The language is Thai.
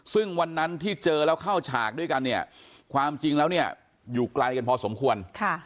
ซึ่งวันนั้นที่เจอแล้วเข้าฉากด้วยกันเนี่ยความจริงแล้วเนี่ยอยู่ไกลกันพอสมควร